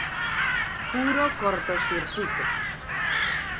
Puro curtocircuíto.